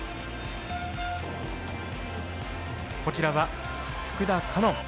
こちらは福田果音。